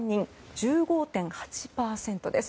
１５．８％です。